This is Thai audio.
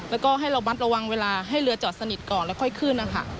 แล้วก็ให้ระมัดระวังเวลาให้เรือจอดสนิทก่อนแล้วค่อยขึ้นนะคะ